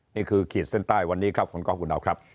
นี่คือขีดเส้นใต้วันนี้ครับขอบคุณครับ